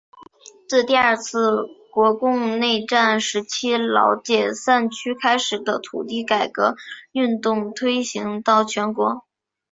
自第二次国共内战时期老解放区开始的土地改革运动推行到全国。